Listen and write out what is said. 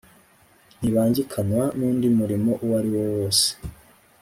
ntibangikanwa n undi murimo uwo ari wo wose